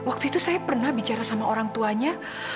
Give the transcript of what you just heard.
waktu itu saya pernah bicara sama orang tuanya